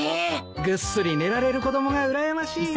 ぐっすり寝られる子供がうらやましいよ。